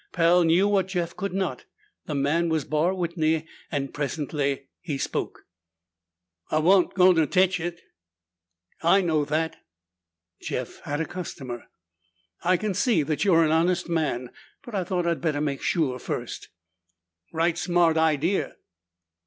Pal knew what Jeff could not; the man was Barr Whitney and presently he spoke. "I wa'nt goin' to tetch it." "I know that." Jeff had a customer. "I can see that you're an honest man. But I thought I'd better make sure first." "Right smart idea."